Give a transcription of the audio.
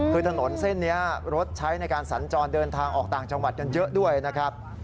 คือถนนเส้นนี้รถใช้ในการสัญจรเดินทางออกต่างจังหวัดกันเยอะด้วยนะครับ